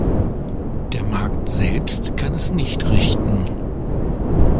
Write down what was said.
Der Markt selbst kann es nicht richten.